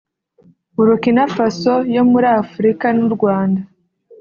Burukinafaso yo muri Afurika n’u Rwanda